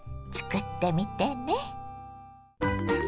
作ってみてね。